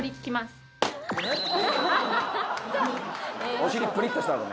お尻プリっとしたのね。